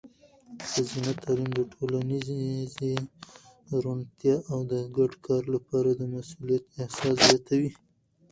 ښځینه تعلیم د ټولنیزې روڼتیا او د ګډ کار لپاره د مسؤلیت احساس زیاتوي.